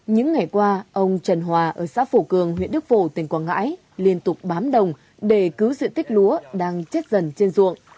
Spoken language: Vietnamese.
những ngày qua ông trần hòa ở xã phổ cường huyện đức phổ tỉnh quảng ngãi liên tục bám đồng để cứu diện tích lúa đang chết dần trên ruộng